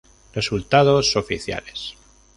Resultados oficiales.